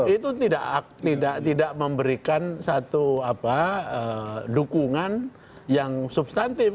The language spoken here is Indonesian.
itu tidak memberikan satu dukungan yang substantif